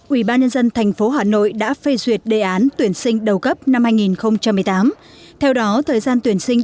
ubnd tp hà nội đã phê duyệt đề án tuyển sinh đầu cấp năm hai nghìn một mươi tám theo đó thời gian tuyển sinh